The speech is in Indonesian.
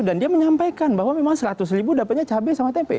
dan dia menyampaikan bahwa memang seratus ribu dapatnya cabe sama tempe